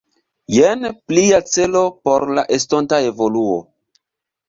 Jen plia celo por la estonta evoluo!